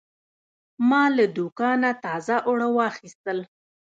ما له دوکانه تازه اوړه واخیستل.